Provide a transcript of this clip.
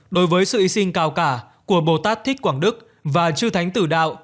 đối với sự hy sinh cao cả của bồ tát thích quảng đức và chư thánh tử đạo